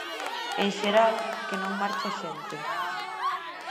En xeral, que non marche a xente.